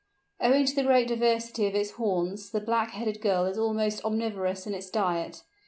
Owing to the great diversity of its haunts the Black headed Gull is almost omnivorous in its diet.